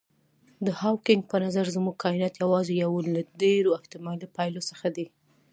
د هاوکېنګ په نظر زموږ کاینات یوازې یو له ډېرو احتمالي پایلو څخه دی.